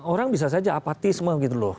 orang bisa saja apatisme gitu loh